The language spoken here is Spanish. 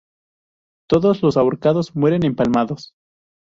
Todos los ahorcados mueren empalmados